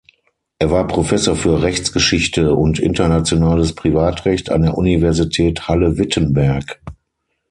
Er war Professor für Rechtsgeschichte und Internationales Privatrecht an der Universität Halle-Wittenberg.